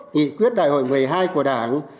nghị quyết đại hội một mươi hai của đảng